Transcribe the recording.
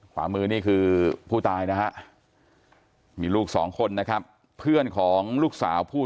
ขวามือนี่คือผู้ตายนะฮะมีลูกสองคนนะครับเพื่อนของลูกสาวผู้